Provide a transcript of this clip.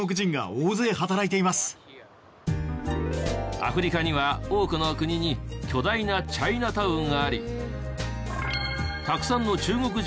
アフリカには多くの国に巨大なチャイナタウンがあり。